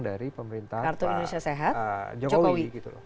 dari pemerintahan pak jokowi